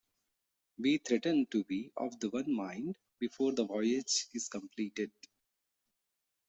We threaten to be of the one mind before the voyage is completed.